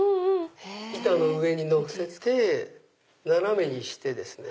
板の上に乗せて斜めにしてですね